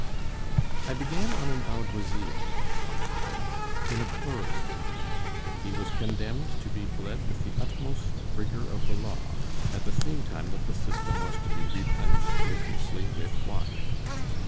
I began on an alguazil (constable) in a pleurisy; he was condemned to be bled with the utmost rigor of the law, at the same time that the system was to be replenished copiously with water.